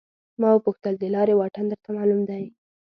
ما وپوښتل د لارې واټن درته معلوم دی.